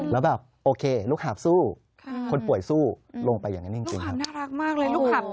แล้วแบบโอเคลูกหาบสู้คนป่วยสู้ลงไปอย่างนั้นจริงครับ